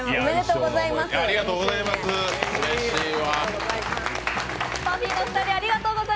うれしいわ。